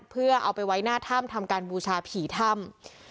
เพื่อเอาไปไว้หน้าถ้ำทำการบูชาผีถ้ำ